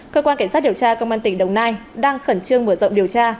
cơ quan cảnh sát điều tra công an tỉnh đồng nai đang khẩn trương mở rộng điều tra